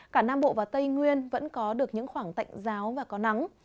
cả nam bộ và tây nguyên vẫn có được những khoảng tạnh giáo và có nắng